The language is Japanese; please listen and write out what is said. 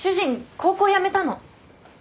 高校辞めたの。